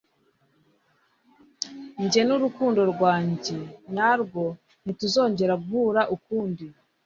njye n'urukundo rwanjye nyarwo nti tuzongera guhura ukundi